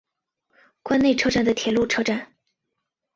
关内车站的铁路车站。